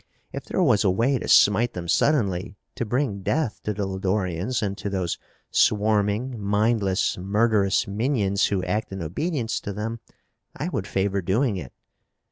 If there was a way to smite them suddenly, to bring death to the Lodorians and to those swarming, mindless, murderous minions who act in obedience to them, I would favor doing it.